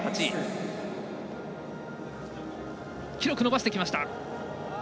記録伸ばしてきた。